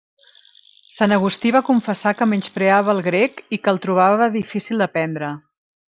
Sant Agustí va confessar que menyspreava el grec i que el trobava difícil d'aprendre.